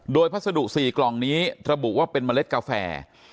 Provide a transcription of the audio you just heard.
โดยพัสดุ๔กล่องนี้ระบุว่าเป็นเมล็ดกาแฟ